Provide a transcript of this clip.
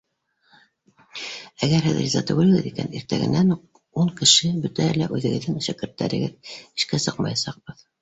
— Әгәр һеҙ риза түгелһегеҙ икән, иртәгәнән ун кеше, бөтәһе лә үҙегеҙҙең шәкерттәрегеҙ, эшкә сыҡмаясаҡбыҙ